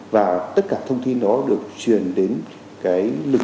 và tất cả thông tin đó được truyền đến lực